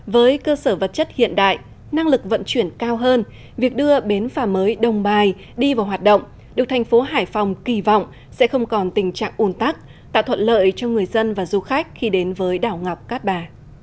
với cơ sở vật chất hiện đại năng lực vận chuyển cao hơn việc đưa bến phà mới đông bài đi vào hoạt động được thành phố hải phòng kỳ vọng sẽ không còn tình trạng ồn tắc tạo thuận lợi cho người dân và du khách khi đến với đảo ngọc cát bà